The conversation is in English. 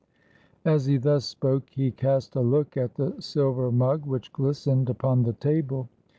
As he thus spoke he cast a look at the silver mug which glistened upon the table.